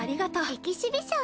エキシビション。